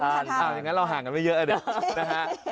อย่างงั้นเราห่างกันไม่เยอะเหรอเด็ก